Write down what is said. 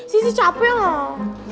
sisi capek lah